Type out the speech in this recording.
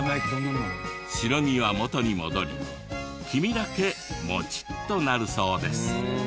白身は元に戻り黄身だけモチっとなるそうです。